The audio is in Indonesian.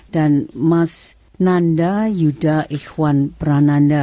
dan mas nanda yuda ikhwan prananda